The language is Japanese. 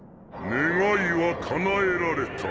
願いはかなえられた。